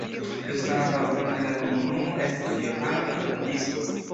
Kristana patrono de la komunumo estas Johano la Baptisto.